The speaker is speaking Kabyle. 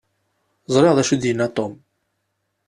Ẓriɣ d acu i d-yenna Tom.